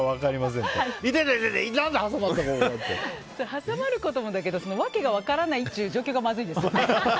挟まることもだけど訳が分からない状況がまずいですよね。